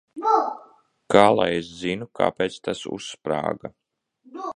Kā lai es zinu, kāpēc tas uzsprāga?